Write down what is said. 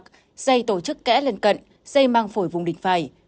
dây tổ chức kẽ lên cận dây mang phổi vùng đỉnh phải